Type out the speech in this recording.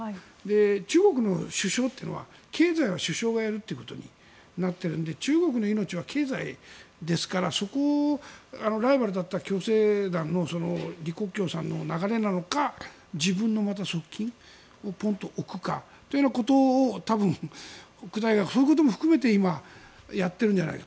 中国の首相というのは経済は首相がやるってことになっているので中国の命は経済ですからそこをライバルだった共青団の李克強さんの流れなのか自分の側近を置くかということを北戴河はそういうことも含めて今、やっているんじゃないか。